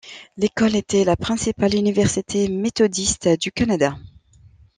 L'école était la principale université méthodiste du Canada.